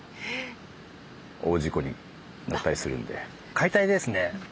解体ですね